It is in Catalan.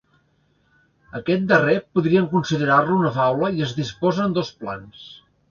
Aquest darrer podríem considerar-lo una faula i es disposa en dos plans.